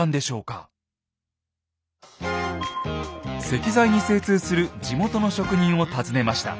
石材に精通する地元の職人を訪ねました。